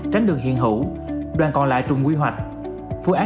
tránh đường hiện hữu đoàn còn lại trùng quy hoạch